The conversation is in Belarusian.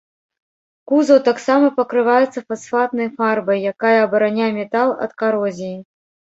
Кузаў таксама пакрываецца фасфатнай фарбай, якая абараняе метал ад карозіі.